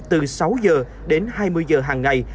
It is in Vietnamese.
từ sáu giờ đến hai mươi giờ hàng ngày